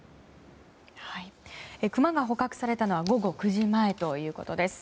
クマが捕獲されたのは午後９時前ということです。